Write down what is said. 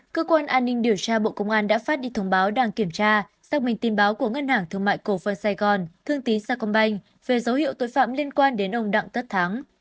cơ quan an ninh điều tra bộ công an đã phát đi thông báo đang kiểm tra xác minh tin báo của ngân hàng thương mại cổ phần sài gòn thương tý sa công banh về dấu hiệu tội phạm liên quan đến ông đặng tất thắng